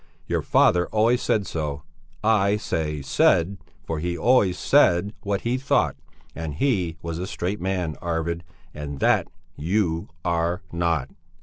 Your father always said so; I say 'said,' for he always said what he thought, and he was a straight man, Arvid, and that you are not!